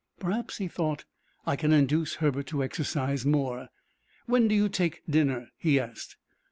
"Perhaps," he thought, "I can induce Herbert to exercise more." "When do you take dinner?" he asked.